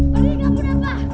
pergi ke bunda pak